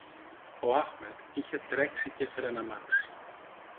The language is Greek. Ο Άχμετ είχε τρέξει κι έφερε ένα αμάξι